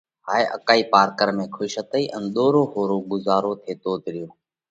هائي اڪائِي پارڪر ۾ کُش هتئي ان ۮورو ۿورو ڳُزارو ٿيتوت ريو۔